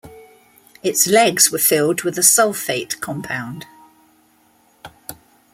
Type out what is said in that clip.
Its legs were filled with a sulfate compound.